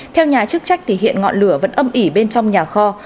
theo nhà chức trách thì hiện ngọn lửa vẫn âm ỉ bên trong nhà kho